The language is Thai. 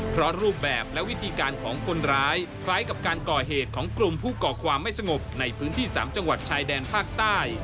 เพราะรูปแบบและวิธีการของคนร้ายคล้ายกับการก่อเหตุของกลุ่มผู้ก่อความไม่สงบในพื้นที่๓จังหวัดชายแดนภาคใต้